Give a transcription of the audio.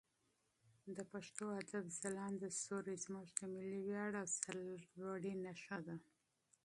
د پښتو ادب ځلانده ستوري زموږ د ملي ویاړ او سرلوړي نښه ده.